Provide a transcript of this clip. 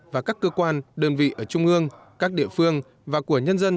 và các cơ quan đơn vị ở trung ương các địa phương và của nhân dân